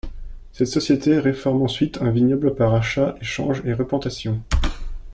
Cette société reforme ensuite un vignoble par achats, échanges et replantations.